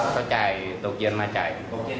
ก็จ่ายโตเกียรมาจ่าย